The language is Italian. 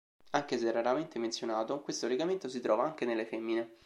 Anche se raramente menzionato, questo legamento si trova anche nelle femmine.